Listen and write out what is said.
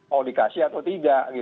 mau dikasih atau tidak